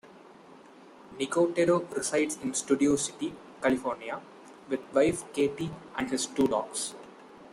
Nicotero resides in Studio City, California with wife Katie and his two dogs.